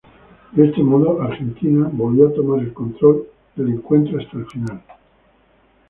De ese modo Argentina volvió a tomar el control del encuentro hasta el final.